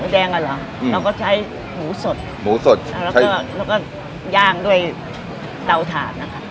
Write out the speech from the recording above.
หมูแดงเราหรอเราก็ใช้หมูสดแล้วก็ย่างด้วยเตาถาดนะครับ